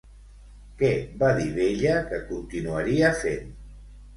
Què va dir Vella que continuaria fent?